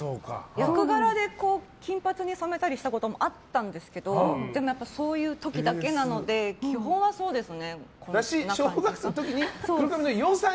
役柄で、金髪に染めたりしたこともあったんですけどそういう時だけなので基本は、そうですね。